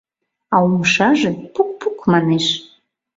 А умшаже пукпук манеш.